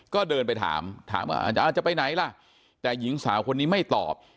ก็เดินไปถามถามอาจารย์จะไปไหนล่ะแต่หญิงสาวคนนี้ไม่ตอบ